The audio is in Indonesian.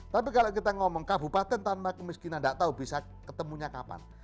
tapi kalau kita ngomong kabupaten tanpa kemiskinan tidak tahu bisa ketemunya kapan